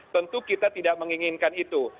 tentu kita tidak menginginkan itu